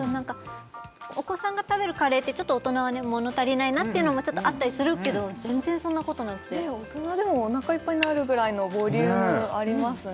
お子さんが食べるカレーってちょっと大人は物足りないなっていうのもあったりするけど全然そんなことなくて大人でもおなかいっぱいになるぐらいのボリュームありますね